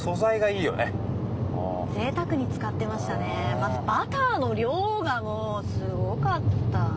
まずバターの量がもうスゴかった！